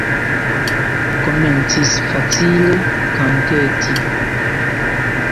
Komencis facile kanteti.